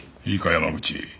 山口。